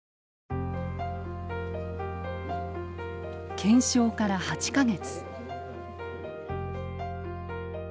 検証から８か月。